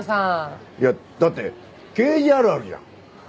いやだって刑事あるあるじゃん。